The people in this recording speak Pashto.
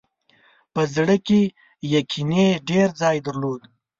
په زړه کې یې کینې ډېر ځای درلود.